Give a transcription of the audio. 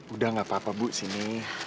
udah gak apa apa bu sini